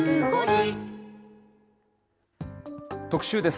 特集です。